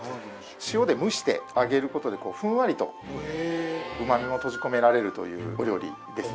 塩で蒸してあげる事でこうふんわりとうまみも閉じ込められるというお料理ですので。